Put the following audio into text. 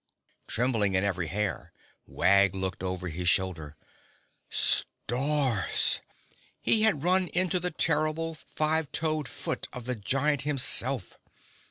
Trembling in every hair, Wag looked over his shoulder. Stars! He had run into the terrible, five toed foot of the giant himself.